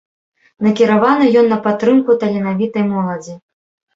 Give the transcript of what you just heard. Накіраваны ён на падтрымку таленавітай моладзі.